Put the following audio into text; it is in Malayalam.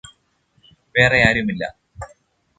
വേറെയാരുമില്ലാ